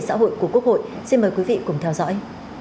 xã hội của quốc hội xin mời quý vị cùng theo dõi